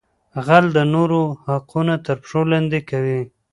غل د نورو حقونه تر پښو لاندې کوي